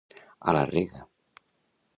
A la rega.